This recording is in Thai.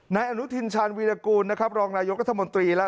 ในอนุทินชาญวีรกูลรองรายกรรภ์กรรมตรีแล้ว